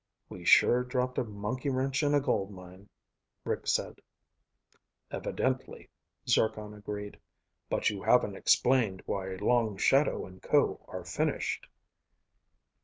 "We sure dropped a monkey wrench in a gold mine," Rick said. "Evidently," Zircon agreed. "But you haven't explained why Long Shadow and Ko are finished."